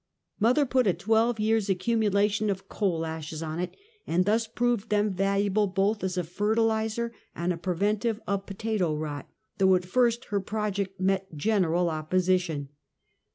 Mother put a twelve years' accumulation of coal ashes on it, and thus proved them valuable both as a fertilizer and a preventive of potato rot, though at first her project met general op position.